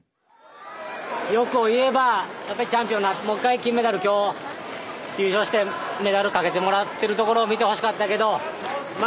欲を言えばやっぱりチャンピオンなってもう一回金メダル今日優勝してメダルかけてもらってるところを見てほしかったけどま